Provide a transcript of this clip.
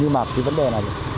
nhưng mà cái vấn đề là gì